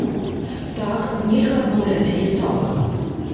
Так, нельга адмаўляць яе цалкам.